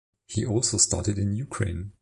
He also studied in Ukraine.